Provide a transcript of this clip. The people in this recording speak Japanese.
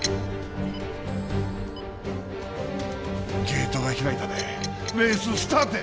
ゲートが開いたで。